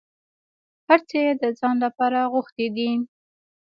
هر څه یې د ځان لپاره غوښتي دي.